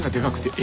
え？